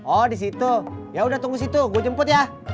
oh disitu yaudah tunggu situ gue jemput ya